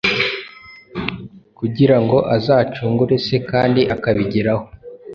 kugira ngo azacungure se, kandi akabigeraho.